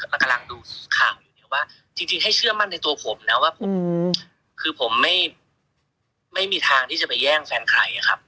มันกำลังดูข่าวอยู่เนี่ยว่าจริงให้เชื่อมั่นในตัวผมนะว่าผมคือผมไม่มีทางที่จะไปแย่งแฟนใครครับ